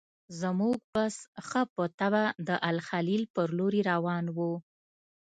زموږ بس ښه په طبعه د الخلیل پر لوري روان و.